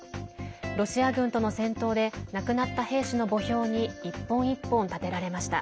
ロシア軍との戦闘で亡くなった兵士の墓標に一本一本立てられました。